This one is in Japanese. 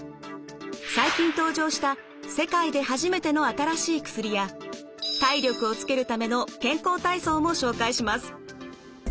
最近登場した世界で初めての新しい薬や体力をつけるための健康体操も紹介します。